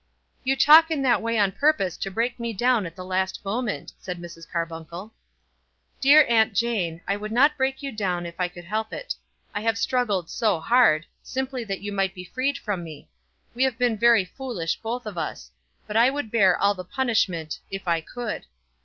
"You talk in that way on purpose to break me down at the last moment," said Mrs. Carbuncle. "Dear Aunt Jane, I would not break you down if I could help it. I have struggled so hard, simply that you might be freed from me. We have been very foolish, both of us; but I would bear all the punishment, if I could."